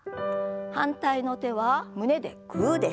反対の手は胸でグーです。